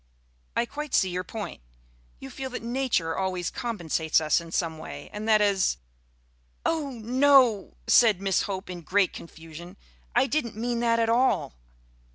"I quite see your point. You feel that Nature always compensates us in some way, and that as " "Oh, no!" said Miss Hope in great confusion. "I didn't mean that at all."